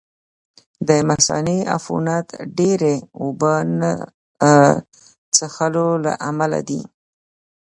د مثانې عفونت ډېرې اوبه نه څښلو له امله دی.